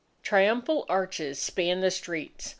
Triumphal arches spanned the streets.